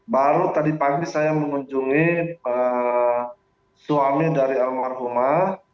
baru tadi pagi saya mengunjungi suami dari almarhumah